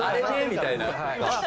みたいな。